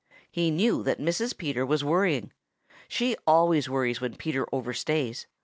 He knew that Mrs. Peter was worrying. She always worries when Peter overstays.